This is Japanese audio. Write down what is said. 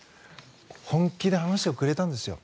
本気で話してくれたんですよ。